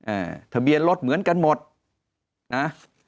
อ่าทะเบียนรถเหมือนกันหมดนะ